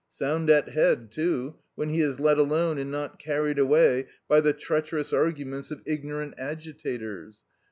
Sound at head too, when he is let alone and not carried away by the treacherous arguments of ignorant agitators.